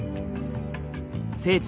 聖地